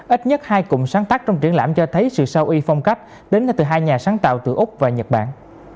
ít nhất hai cụm sáng tạo trong triển lãm cho thấy sự sâu y phong cách đến từ hai nhà sáng tạo từ úc và nhật bản